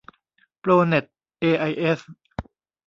โปรเน็ตเอไอเอส